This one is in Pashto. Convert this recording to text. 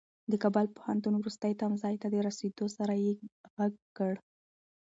د کابل پوهنتون وروستي تمځای ته د رسېدو سره يې غږ کړ.